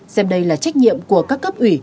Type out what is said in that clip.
xem đây là trách nhiệm của các cấp ủy